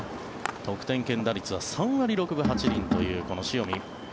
得点圏打率は３割６分８厘というこの塩見。